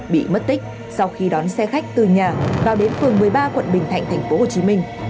bị mất tích sau khi đón xe khách từ nhà vào đến phường một mươi ba quận bình thạnh thành phố hồ chí minh